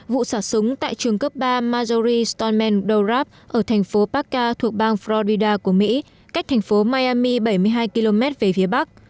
vụ sả súng tại trường cấp ba marjorie stoneman dorab ở thành phố paca thuộc bang florida của mỹ cách thành phố miami bảy mươi hai km về phía bắc